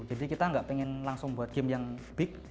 kita nggak pengen langsung buat game yang big